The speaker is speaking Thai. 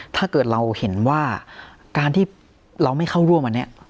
ถ้าเกิดเราเห็นว่าการที่เราไม่เข้าร่วมอันนี้